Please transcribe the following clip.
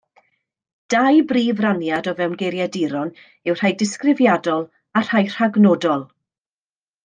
Dau brif raniad o fewn geiriaduron yw rhai disgrifiadol a rhai rhagnodol.